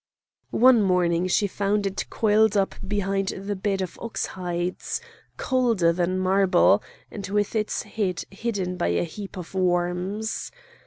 One morning she found it coiled up behind the bed of ox hides, colder than marble, and with its head hidden by a heap of worms.